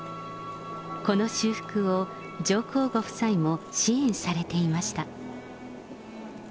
この修復を上皇ご夫妻も支援されていました。